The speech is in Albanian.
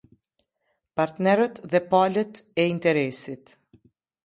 Partnerët dhe palët ejnteresit.